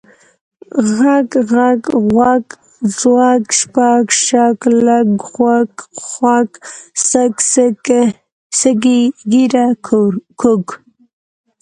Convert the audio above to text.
غږ، ږغ، غوَږ، ځوږ، شپږ، شږ، لږ، خوږ، خُوږ، سږ، سږی، ږېره، کوږ،